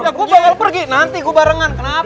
ya gue bakal pergi nanti gue barengan kenapa